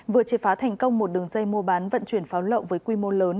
vừa triệt phá thành công một đường dây mua bán vận chuyển pháo lậu với quy mô lớn